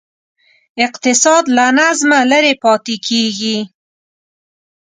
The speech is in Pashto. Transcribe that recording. اقتصاد له نظمه لرې پاتې کېږي.